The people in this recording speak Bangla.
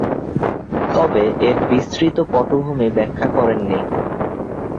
তবে, এর বিস্তৃত পটভূমি ব্যাখ্যা করেননি।